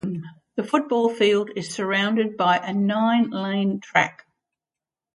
The football field is surrounded by a nine-lane track.